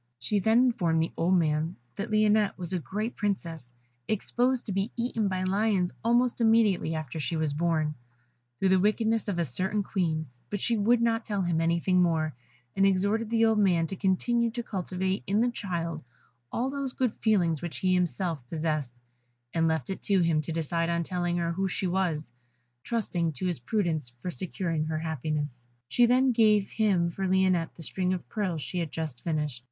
She then informed the old man that Lionette was a great Princess, exposed to be eaten by lions almost immediately after she was born, through the wickedness of a certain Queen; but she would not tell him anything more, and exhorted the old man to continue to cultivate in the child all those good feelings which he himself possessed, and left it to him to decide on telling her who she was, trusting to his prudence for securing her happiness. She then gave him for Lionette the string of pearls she had just finished.